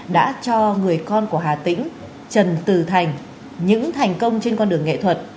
đã cho người con của hà tĩnh trần từ thành những thành công trên con đường nghệ thuật